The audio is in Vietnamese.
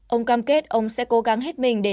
ông cam kết ông sẽ cố gắng hết mình để giúp đỡ đất nước